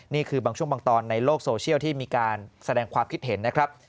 นี่คือบางช่วงบางตอนในโลกโซเชียลที่มีการแสดงความคิดเห็นนะครับ